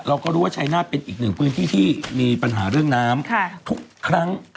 เราก็รู้ว่าชายนาฏเป็นอีกหนึ่งพื้นที่ที่มีปัญหาเรื่องน้ำทุกครั้ง